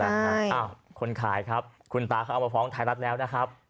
อ้าวคนขายครับคุณตาเขาเอามาฟ้องไทยรัฐแล้วนะครับ